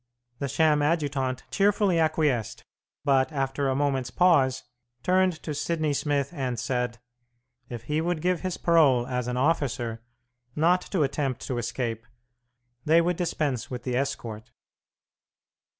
The sham adjutant cheerfully acquiesced, but, after a moment's pause, turned to Sidney Smith and said, if he would give his parole as an officer not to attempt to escape, they would dispense with the escort.